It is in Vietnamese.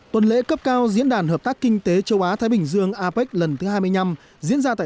tuần lễ cấp cao diễn đàn hợp tác kinh tế châu á thái bình dương apec lần thứ hai mươi năm diễn ra tại